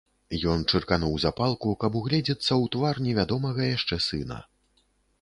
Ён чыркануў запалку, каб угледзецца ў твар невядомага яшчэ сына.